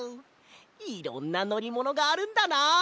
いろんなのりものがあるんだな。